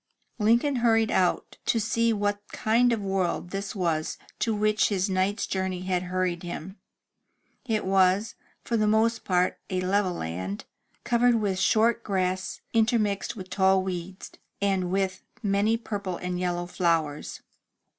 Lincoln hurried out to see what kind of a world this was to which his night's journey had hurried him. It was, for the most part a level land, covered with short grass intermixed with tall weeds, and with many purple and yellow flowers.